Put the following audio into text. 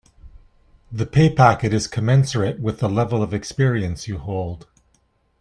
The pay packet is commensurate with the level of experience you hold.